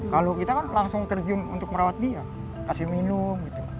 kalau kita kan langsung terjun untuk merawat dia kasih minum